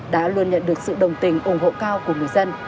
đã luôn nhận được sự đồng tình ủng hộ cao của người dân